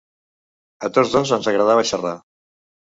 A tots dos ens agradava xerrar.